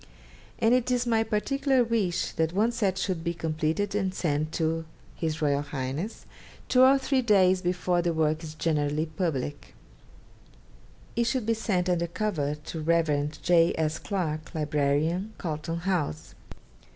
And it is my particular wish that one set should be completed and sent to H.R.H. two or three days before the work is generally public. It should be sent under cover to the Rev. J. S. Clarke, Librarian, Carlton House.